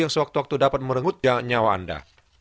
yang sewaktu waktu dapat merenggut nyawa anda